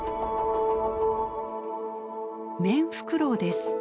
メンフクロウです。